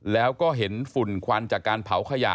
แล้วก็เห็นฝุ่นควันจากการเผาขยะ